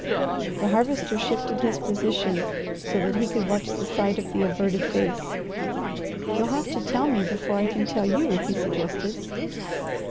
The Harvester shifted his position so that he could watch the side of the averted face. "You'll have to tell me, before I can tell you," he suggested.